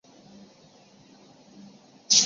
有人拜年到访时用作款客之用。